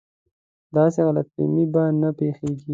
داسې غلط فهمي به نه پېښېږي.